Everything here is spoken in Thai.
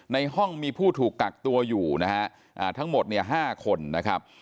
ในห้องมีผู้ถูกกักตัวอยู่นะฮะทั้งหมดเนี่ย๕คนนะครับ